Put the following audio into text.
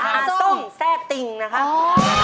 อ่าส้งแซ่ติ่งนะครับ